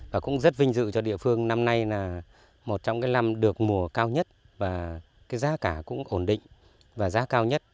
và cũng rất vinh dự cho địa phương năm nay là một trong cái năm được mùa cao nhất và cái giá cả cũng ổn định và giá cao nhất